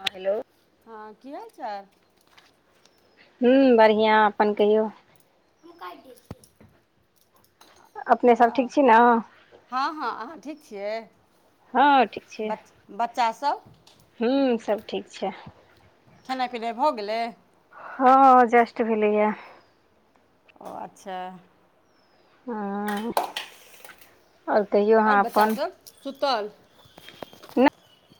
हँ हेलो। हँ की हाल चाल। हूँ बढ़िआँ अपन कहियौ। हम काइट दै छीयै। अपने सब ठीक छी नऽ। हँ- हँ अहाँ ठीक छियै, हँ ठीक छै बच- बच्चा सब। हूँ सब ठीक छीए। खेनाइ-पिनाइ भऽ गेलै। हँ जस्ट भेलैया। ओ अच्छा। हांऽ। और कहियौ। और बच्चा अपन सब सुतल?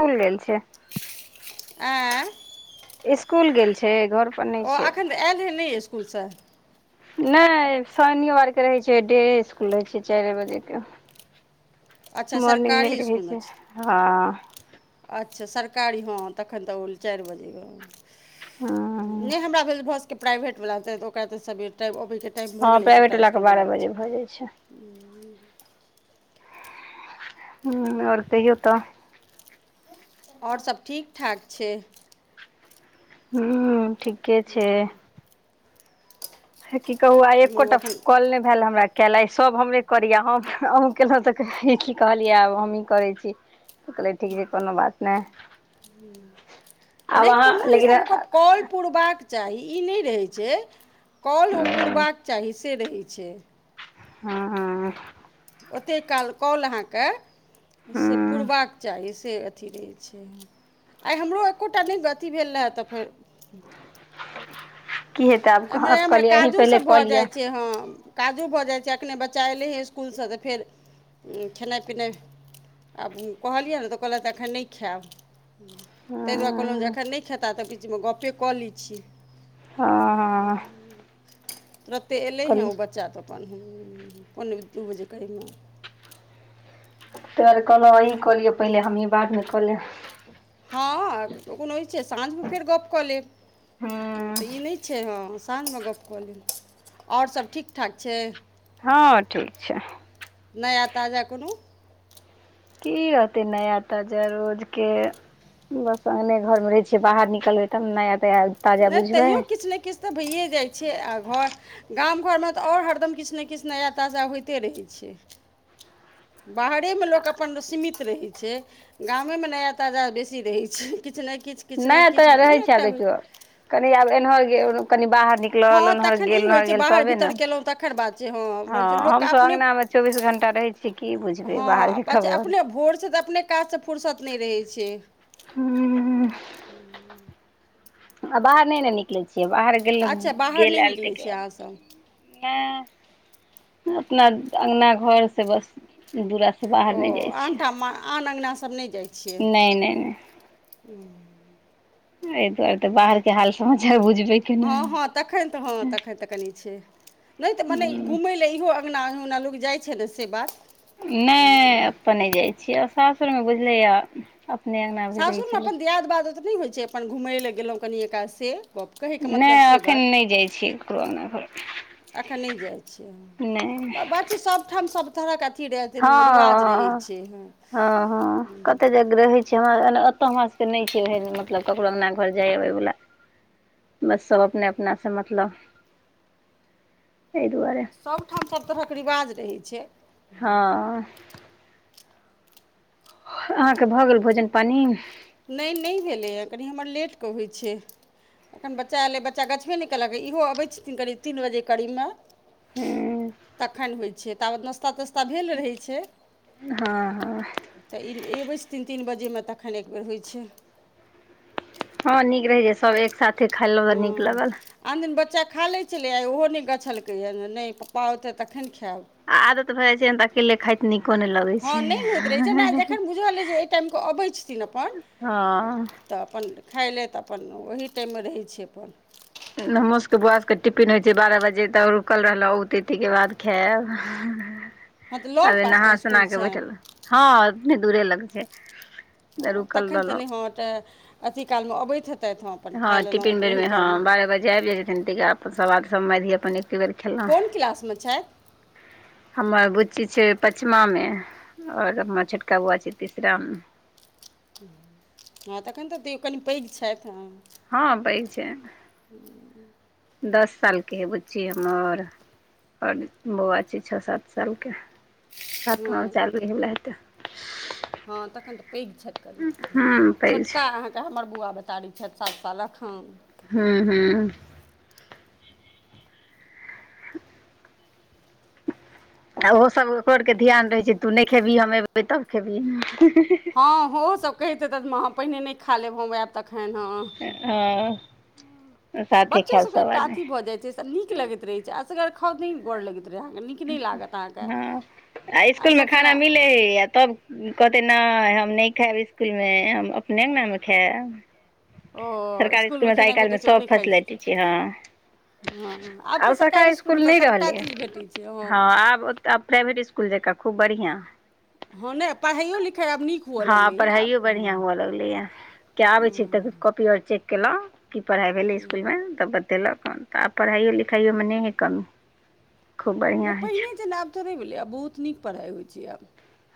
स्कुल गेल छै। एँ। इसकूल गेल छै घर पर नहि ओ छै एखन तऽ आयल हन नहि इसकुलसँ। नै शनिवारके रहैत छै डेए इसकुल रहै छै चारिए बजेके। अच्छा मॉर्निंग नै सरकारी रहै इसकुलमे छै, हँ। अच्छा सरकारी हँ, तखन तऽ ओ चारि बजे में। हूँ नै हमरा भेल भऽसकै प्राइवेट वाला तऽ ओकरा तऽ सबेर टाइम अबै के। टाइम भऽ गेलै ई सभटा इसकुलवला बच्चा। भए जाइ छै। हूँ और कहियो तऽ। और सब ठीक- ठाक छै। हूँ ठीके छै। की कहू आई हमरो एकोटा एखन कॉल नहि भैल हमरा। केले सभ हमरे करियै, हम अहूँ केलहुँ तऽ की कहलियै आब हमही करै छी। तऽ कहलियै ठीक छै कोनो बात नै। नै कोनो इ लेकिन सब कॉल पूरबाक चाही, ई नहि रहै छै कॉल ओ पुरबाक चाही से रहै छै। हँ। ओतेक काल कॉल अहाँके से हँ पुरबाक चाही से। अथी रहै छै, आइ हमरो एकोटा नहि अथी भेल रहए तऽ फेर की हेतै आब एमहरे- आब एमहर कहलियै अहीं काजो पहिले सब कऽ भऽ लिअ जाइत छै हँ। काजो भऽ जाइ छै, एखने बच्चा अयलै हँ इसकुलसँ तऽ फेर खेनाइ पिनाइ। आब हम कहलियनि ने तऽ कहलैथ एखन नहि खायब। ताहि दुआरे कहलहुँ जे हँ एखन नहि खेता, तऽ बिच में गपे कऽ लै छी। हँ हूंऽ। तुरते अयलै हेँ कहलियै ओ ताहि बच्चा तऽ अपन, पोने दू बजे करीब में। तैदुआरे कहलहुँ अहीं कलियौ पहिले, हमहीँ बादमे कऽ लेब। हँ कोनो इ छै साँझमे फेर गप्प कऽ लेब। हँ तऽ ई नहि छै हँ साँझ में गप्प कऽ लेब। आओर सभ ठीक ठाक छै। हँ ठीक छै। नया ताजा कोनो। की रहतै नया ताजा रोजके। बस अङगने घर मे रहै छियै, बाहर निकलबै तब ने नया तया। नै तैयो किछु ने किछु तऽ, भैए जाइ छै, आ घर। गाम घरमे तऽ, आओर हरदम किछु ने किछु नया ताजा होइते रहैत छै। बाहरेमे लोक अपन सीमित रहै छै। गामे में नया ताजा बेसी रहैत छै, किछ ने किछ। नया तजा रहै छै, आब देखियौ कनि आब एनहर गेल कनि बाहर निक हँ तखन ई होइ छै, बाहर भीतर कयलहुँ तखकर बात छै, हँ बात छै लोककेँ हमसभ अपने अङ्गनामे चौबीस घण्टा रहै छियै की बुझबै हँ बाहरके बात छै खबर अपने भोरसँ तऽ, अपने काजसँ फुुरसत नहि रहैत छै। हूँ। आ बाहर नहि ने निकलै छियै बाहर गेलै अच्छा बाहर गेल नहि आयल तै निकलै के छियै बाद। अहाँसभ [unintelligible] अपना अंगना घर से बस दूरासँ बाहर ओ नहि जाइ छियै आनठाम आन अंगनासभ नइ जाइ छियै नहि नहि नहि [unintelligible] एहि दुआरे ते बाहर के हाल समाचार बुझबै केना हँ- हँ तखन तऽ, हँ तखन तऽ, कनि छै। नइ तऽ मने हूँ घुमै लए इहो अँगना अंगना लोक जाइ छै, ने से बात नै हम्म, अपनऽ नई जाइ छियै, सासुरमे बुझलैए आ अपने अंग सासुरमे अपन दियाद बाद ओ त नई होइ छै, अपन घुमय लेलए गेलहुँ कनि एकाल से गप कहैके मतलब से बात नय जाइ छियै ककरो अगना घर एखन नई जाइत छीयै, नहि बात छय सभठाम सभ सब तरहके अथी रह हँ रिवाज रहै हँ छै, हूँ -हूँ ओतय हमरा सभके नइ छैह न मतलब ककरो अंगना घर जाइएबै वला बस सब अपने अपनासँ मतलब एहि दुआरे सबठाम सभ तरहक रिवाज रहै छै, हँ अहाँके भऽ गेल भोजन पानि नै य नै य भेलैए कनि हमर लेटके होइ छै। एखन बच्चा एयलै बच्चा गछबे नइ कयलक इहो अबै छथिन करीब तीन बजे करीबमे हूँ तखन होइ छै, ताबत नाश्ता तास्ता भेल रहै छै। हँ तऽ ई अबै छथिन तीन बजेमे तखन एकबेर होइ छै। हँ नीक रहे छै, सब एक साथे खयलो हँ नीक लगल आन दिन बच्चा खा लै छलै आइ ओहो नहि गछलकैए नइ पप्पा ओतऽ तखन खेयब आदतऽ भयजाइन छै, त अकेेले खाइत नीको नय लगै हँ छै। नहि होइत रहै छै नहि जखन बुझल अइ जे एहि टाइमके अबै छथिन अपन हँ तऽ अपन खाइ लए तऽ अपन ओहि टाइममे रहै छी अपन हमर सबके बौआ सभके टिफिन होइ छै, बारह बजे तऽ रुकल रहल उ ते के बाद खैब। हँ तऽ लग तबे पासमे नहा सुना इसकुल क छनि बैठल, हँ उतने दूरे लगे छै। तऽ हँ रुकल तखन तऽ रहलहुँ नै, हँ तऽ अथी काल में अबैत हेतैथ हँ अपन खा लेलहुँ टिफिन ओह बेरमे काल में। हँ बारह बजे आबि जाइ छथिन, तऽ सब मैधी अपन एके बेर खेलहुँ। कोन क्लासमे छथि हमर बुच्ची छै पचमा में। और हमर छटोका बौआ छै तीसरा में। हँ तखन तऽ तयो कनि पैघ छैथ हँ। हँ पैघ छै, दस साल के है बुच्ची हमर। और बौआ छै, छः सात सालके, सातम आब चालू होइ बला हेतै। हँ तखन तऽ पैघ छैथ कनि, हूँ पैघ छै छोटका अहाँके तऽ हमर बौआ बतारी छैथ सात सालक। हूँ- हूँ। आ ओहो सभ ओकरो आरके ध्यान रहै छै, तू नै खेबही हम अबै तब खेबही। हँ ओहो सब कहैत हैतैथ माॅं पहिने नै खा लेब, हम आयब तखन हँ। हँ साथे बच्चो खायब सब के एकटा आदमी अथी भऽ जाय छै तऽ नीक लगैत रहै छै, असगर तऽ नै गऽर लगैत रहै अहांके नीक नहि लागत अहाँके हँ आ इसकुलमें सभसँ ने खाना मिलै हइ आ तब कहतै नै हम नै खायब इसकुलमें हम अपने अंगना मे खायब। ओ सरकारी इसकुलमे इसकुलमें तऽ आइ खेनाइ भेटैत काल्हिमें छै ओ सब नहि खाइत फैसिलिटी छै छथिन हँ। हँ तऽ आब सरकारी इसकुलमे इसकुल तऽ नहि सभटा रहलै चीज भेटैत छै हँ आब तऽ आब प्राइवेट इसकुल जकाँ खूब बढ़ियाँ। हँ नै पढ़ाइयओ- लिखाइ आब नीक हुअ हँ लगलैए आब। पढ़ाइयो बढ़िआँ हुअ किया आबे छी तऽ काॅपी आर चेक केलाउ। की पढ़ाइ भेलै इसकुलमें तऽ बतेलक हन तऽ आब पढ़ाइयओ- लिखाइयओमें नै हइ कमी। खूब नै बढ़िआँ होइ छै पहिने जेना आब थोड़े भेलै आब बहुत नीक पढ़ाइ होइत छै आब।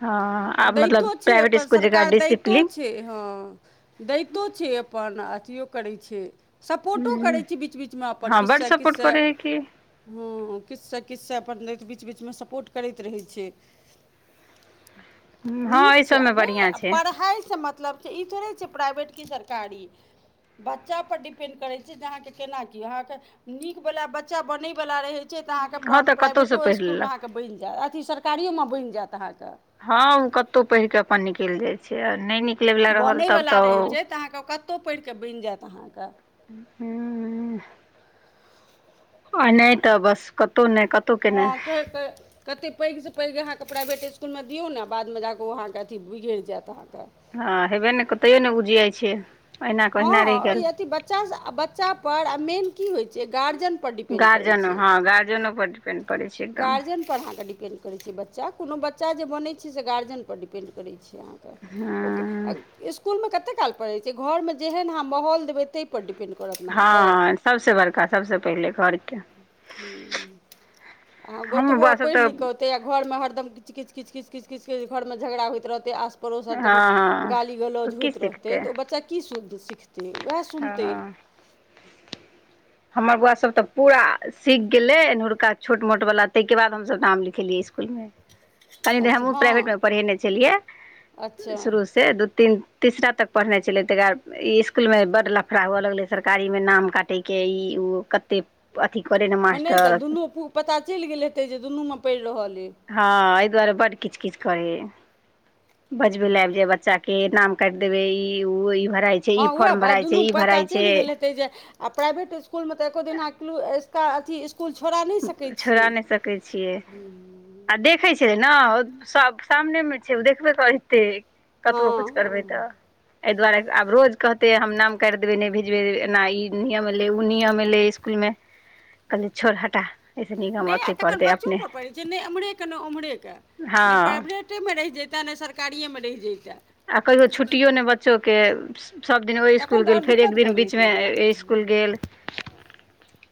हँ आ आब दैतो मतलब छै प्राइवेट अपन, इसकुल जकाँ सरकार दैतो डिसिप्लीन छै हँ। दैतो छै अपन अथियो करै छै। सपोर्टो करै हूँ छै बीच- बीच में अपन हँ किछ बड्ड से- किछ सपोर्ट से करै हइ कि हँ, किछ से। किछ से देत अपन बीच -बीच में सपोर्ट करैत रहै छै। हँ नीक एहि छै, आ सबमे नै बढ़िआँ छै पढ़ाइसँ मतलब छै, ई थोड़े छै प्राइभेट कि सरकारी। बच्चा पर डिपेंड करैत छै, जे अहाँकेँ केना की अहाँकेँ। नीक बला बच्चा बनेयवला रहै छै तऽ हँं अहाँके तऽ कतहु से प्राइवेटो पढ़ि इसकुलमे लेलक। अहाँके बनि जायत, अथी सरकारियो में बनि जायत अहाँके। हँ ओ कतहु पढ़ कऽ अपन निकलि जाइ छै, नै नि बनयवला रहैत छै, तऽ अहाँकेँ ओ कतहु पड़ि कऽ बनि जायत अहाँकेँ। हूं ऽ। आ नै तऽ बस कतहु नै क हँ के -के। कतेक पैघसँ पैघ अहाँके प्राइवेट इसकुलमें दियौ ने, बादमें जाकऽ ओहाँके अओ बिगड़ जायत अहाँके। हँ हेबे ने कतैयो ने उधियाइ छै। अहिना के ओहिना रहि हँऽ ई गेल अथि बच्चा- बच्चा पर आ मेन की होइ छै गार्जियन गार्जियनो हँ गार्जियनो पर डिपेंड पड़ै छै एकदम। तब अहाँके डिपेंड करै छै, बच्चा कोनो बच्चा जे बनै छै गर्जियन पर डिपेन्ड करैत छै, अहाँ हँ कऽ इसकुलमें कते काल पढ़ै छै, घरमे जेहन अहाँ माहौल देबै तै पर डिपेंड करता ने अहाँ क हँ सबसे बड़का सबसे पहिले घरके हुँ हँ हमर गोतबो आ बौआ सब पढ़ि तऽ लि क घर मे हरदमच किच- किच -किच- किच -किच घर मे झगड़ा होइत रहते आस पड़ोस हँ हरदम हँ गाली तऽ गलौज की होइत रहतै सिखतै तऽ, ओ बच्चा की सिखतै वएह हऽ [inaudible] हमर बौआ सब तऽ पूरा सीख गेलै एनहुरका छोट मोटवला ताहिके बाद हमसब नाम लिखेलियै इसकुलमे कनि दे अच्छा हमहूँ प्राइवेटमे हँ पढ़ेने छलियै अच्छा शुरू से दू तीन तीसरा तक पढ़ने छलै, त बाद इ स्कूल मे बड लफड़ा हुअ लगले सरकारी मे नाम काटे के ई ओ कते अथी करे ने हँ नहि तऽ मस्टर दुनू पता चइल गेल हेतै जे दुनूमे पइड़ रहल अइ हँ अइ दुआरे बड किच -किच करे बजबै ले आइब जाय बच्चा के के नाम काइट देबै ई उ इ भराइ छै ई हँ उएह फॉर्म बात भराइ छै दुनू ई पता भराइ छै चइल गेलै हैते आ प्राइवेट इस्कुल मे तऽ एको दिन अथी स् [unintelligible] इसकुल छोड़ा नहि सकै छी छोड़ा नहि सकै छियै हुँ आ देखै छै न, सब सामने मे छै, ओ देखबे करतै हँ कतबो कुछ करबै तऽ, हँ एहि दुआरे आब रोज कहते हम नाम काइट देबे नई भेजबे ना ई नियम एलै ओ नियम एलै इसकुल मे कहलिऐ छोड़ हटा एहिसँ नीक हम नय आ ओतहि तखन पढ़तै बच्चो अपने पर पइर छै, नई एम्हरेके नई ओम्हरेके हँ नइ प्राइवेट पटेमे रहि जैतै ने सरकारिएमे रहि जैतै आ कहियो छुट्टियो नय बच्चोके सभदिन ओइ इसकुल तखन तऽ गेल आओर फेर एक दिक्कत दिन भऽ जैतै बीचमे ने अइ इसकुल गेल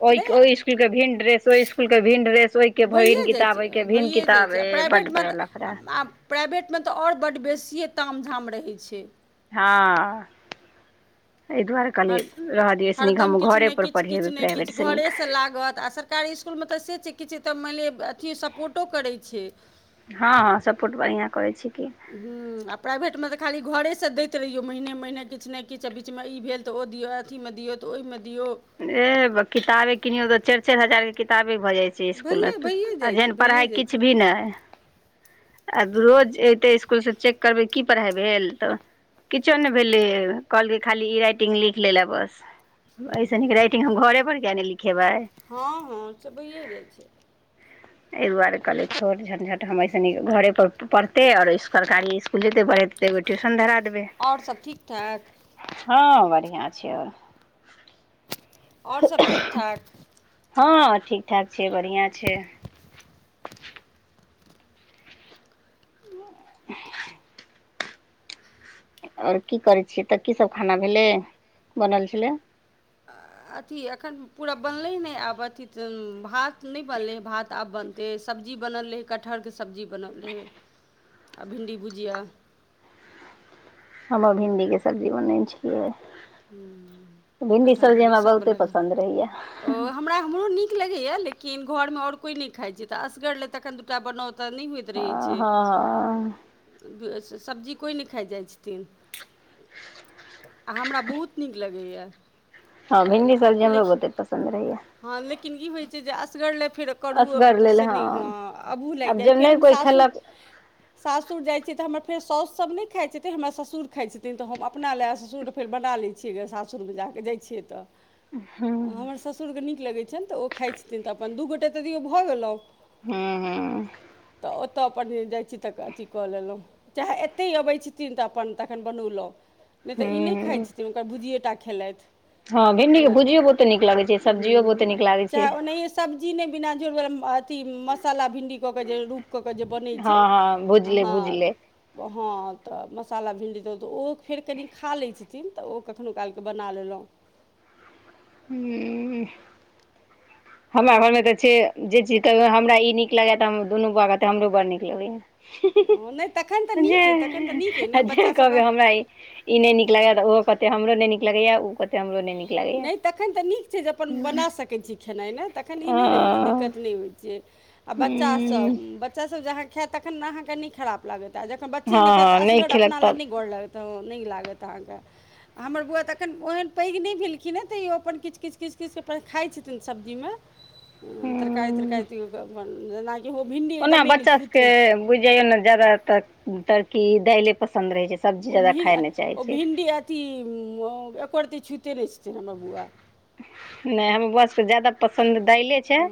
ओ के नहि ओई इस्कुल के भिन् ड्रेस ओई इस्कुल के भिन् ड्रेस ओई के भिन् भइए जाइ किताब छै ओहिके भिन्न भइए जाइ किताब छै, आ ए बड्ड प्राइभेटमे बड़ा तऽ लफड़ा आब प्राइवेटमे तऽ आओर बड्ड बेसिए ताम झाम रहै छै। हँ एहि दुआरे तऽ हर कहलियै रहऽ दियौ से नीक हरदम हम घरेपर पढ़ेबै प्राइवेटसँ नीक से लागत आ सरकारी इस्कुलमे तऽ से छै, किछु तऽ मानि लिअ अथी सपोर्टो करै छै। हँ -हँ सपोर्ट बढ़िआँ करै छय की। हुँ आ प्राइभेट मे तऽ, खाली घरे सँ दैत रहियौ महिने महिने किछ नहि किछ आ बीचमे ई भेल तऽ ओ दिऔ अथीमे दियौ तऽ ओई मे दियो ए किताबे किनो तो चाइर -चाइर हजार के किताबे भऽ जाय छै। इसकुलमे भैए भैए जाइ छै जेहन भैए पढ़ाइ जाइ छै किछु भी नै य आब रोज एयतै इसकुल से चेक करबै की पढ़ाइ भेल तऽ किछो नै भेलै कहलकै खाली ई रइटिंग लिख लेला बस अइ स निक राटिंग हम घरे पर किया नै लिखेबै हँ- हँ च भए जाइ छै। एहि दुआरे कहलै छोर झंझट हमअइ स निक घरे पर पढ़ते और सरकारी इस्कुल [unintelligible] एगो ट्यूशन धरा देबै आओर सब ठीक ठाक हँ बढ़ियां छै आओर आओर सभ ठीक ठाक? हँ ठीक ठाक छै, बढ़आं छै। [unintelligible] आओर की करै छियै तऽ की सब खाना भेले बनल छलै। अथी एखन पूरा बनलै नहि आब अथी तऽ भात नहि बनलै भात आब बन ए सब्जी बनल रहै कटहरके सब्जी बनल रहै आ भिण्डी भुजिआ हम आब भिण्डीके सब्जी बनने छियै। भिंडी कटहरके सब्जी हमरा बहुते बेसनवला नहि पसन्द रहैया। ओ हमरा मुंह नीक लगया लेकिन घर मे ओर कोई नहि खाइ छी तऽ असगर ले तखन दूटा बनाउ तऽ नहि होइ ैक्षे ई हँ छै। हँ हँ उदु एस सब्जी कोई ने खा जा छतिन हमरा बुत नीक लगैया। हँ भिन्डी सब्जी हमो बुतेह पसन्द रहैया। हँ लेकिन ई होइत छै जे असगर लए रक करू असगर लेल से ने हँ अबू लागि आब जाइ जब फेर नहि हम कोइ सासुर खेलक सासुर जाइत छियै तऽ हमर फेर सासुसभ नहि खाइत छथिन हमर ससुर खाइत छथिन तऽ हम अपना लए ससुर फेर बना लै छियै सासुरमे जाकऽ जाइ छियै तऽ हूँ हमर ससुरके नीक लगै छनि तऽ ओ खाइत छथिन तऽ अपन दू गोटे तऽदियओ भऽ गेलहुँ हू -हू- - तऽ ओतऽ अपन जाइ छी तऽ अथी कऽ लेलहुँ चाहे एतहि अबैत छथिन तऽ अपन तखन बनौलहुँ। नहि हूँ तऽ ई नहि खाइत हूँ छथिन हुनकर भुजिए टा खेलथ। हँ भिंडीके भुजियो बहुे नीक लगैत छै सब्जियो बहुत नीक लागैत छैई। चाहे ओनाहिए सब्जी नहि बिना जर अथी मसाला भिणडी कऽ के जे रुप कऽ केऽ जे बनै छै हँ हँ। भुजले भुजले हँ तऽ मसाला भिंडी दहुँ तऽ ओ फेर कनी खा लैत छथिन तऽ ओ कखनहु कालके बना लेलहुँ। हुं। हमरा घरमे तऽ छै जे चीज कह हमरा ई नीक लगैए हम दुनू बौआके तऽ हमरो बड़ नीक नहि तखन तऽ लगैएा नीक अइ तखन तऽ नीक अइ ने जे जे बच्चासभ कहबै हमरा ई ई नहि नीक लगैए ओहो कहतै हमरो नहि नीक लगैया कहतै हमरो नहि नीक लगैया नहि तखन तऽ नीक छै जे अपन ओ बना सकैत छी। खेनाइ नहि तखन ई नहि रहै छै हूँ दिक्कत नहि होइ छै आ बच्चा सब हँ बच्चासभ जहां खैत तखन अहाँकेँ नेई खराब लागत आ जखन बच्चे न हेत हँ त नहि असगर खेलक अपना ल तब नहि गोर लगत तऽ नहि लागत अहाँके हमर बौआ तऽ एखन ओहन पैघ नहि भेलखिन तयो अपन किछ -किछ -किछ खाइ छथिन सब्जीमे तरकारी- हूँ तरकारी तयोअपन जेनाकि ईहो भिण्डी एकदममे नहि छूते बुझ जायो ने जादातर तड़की दाले पसन्द रहे छै। सब्जी ओ जादा भि खाय नहि चाहै ओ- छै भिन्डी अति एकोरति छूते नहि छूते नय छथिन हमर बौआ- - नहि हमर बोआ जादा पसन्द दायले छैई। हँ।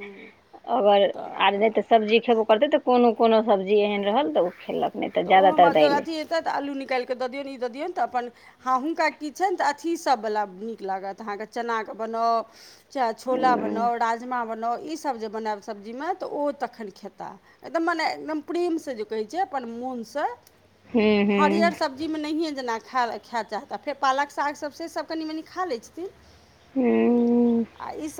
अगर आर नहि तऽ सब्जी खेबो करते तऽ कोनो- कोनो सब्जी एहन रहल तऽ ओ खेलक। नहि तऽ जादातर दैले। ततऽ तऽ आलू निकालिकऽ दियनि ई दऽ दियऔ तऽ अपन- - हँ हुनका की छैन तऽ अथिसभवला नीक लागत अहाँकेँ चनाके बनाउ- - चाहे छोला हूँ बनाउ राजमा बनाउ ई सब जे बनायब। सब्जीमे तऽ ओ तखन। खेताह एकदम मने एकदम प्रेमसँ जे कहैत छै। अपन मोनसँ हूँ हूँ हरियर सब- - दिन मे नहियए जेना ख खाय चाहता आ फेर पालक साग सब से सब कनि मनि खा लै छथिन। हूं। आ ईसभ।